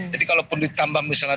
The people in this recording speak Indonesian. jadi kalau ditambah misalnya